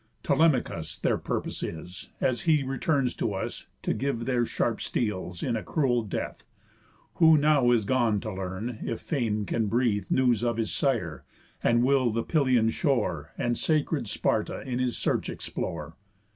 Telemachus Their purpose is, as he returns to us, To give their sharp steels in a cruel death; Who now is gone to learn, if fame can breathe News of his sire, and will the Pylian shore, And sacred Sparta, in his search explore."